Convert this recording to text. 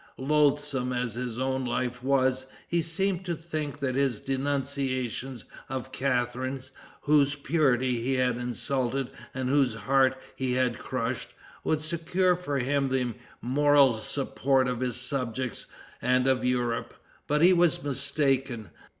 Loathsome as his own life was, he seemed to think that his denunciations of Catharine, whose purity he had insulted and whose heart he had crushed, would secure for him the moral support of his subjects and of Europe. But he was mistaken.